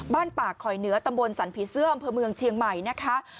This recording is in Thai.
บ้านปากขอยเนื้อตำบลสรรพีเสื่อมเพื่อเมืองเชียงใหม่นะคะ